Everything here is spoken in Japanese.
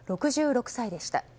６６歳でした。